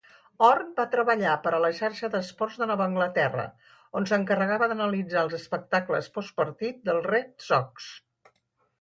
Horn va treballar per a la Xarxa d'Esports de Nova Anglaterra, on s'encarregava d'analitzar els espectacles postpartit dels Red Sox.